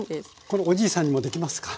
このおじいさんにもできますか？